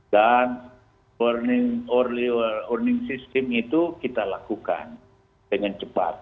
dan warning system itu kita lakukan dengan cepat